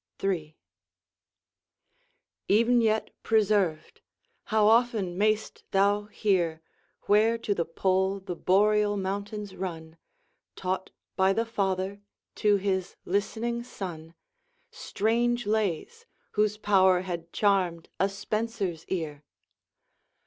III Even yet preserved, how often may'st thou hear, Where to the pole the boreal mountains run, Taught by the father to his listening son, Strange lays, whose power had charmed a Spenser's ear.